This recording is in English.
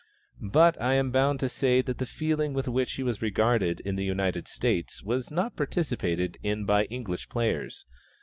But I am bound to say that the feeling with which he was regarded in the United States was not participated in by English players.